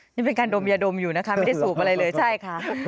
นี่เป็นการดมยาดมอยู่นะคะไม่ได้สูบอะไรเลยใช่ค่ะ